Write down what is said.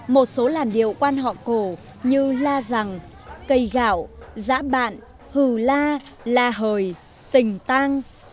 một số làn điệu quan họ cổ như la rằng cây gạo giã bạn hừ la la hời tình tang